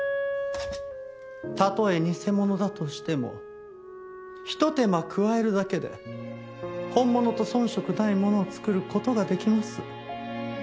たとえ偽物だとしてもひと手間加えるだけで本物と遜色ないものをつくる事ができます。